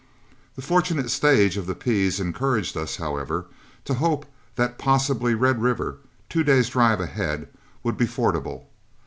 The fortunate stage of the Pease encouraged us, however, to hope that possibly Red River, two days' drive ahead, would be fordable.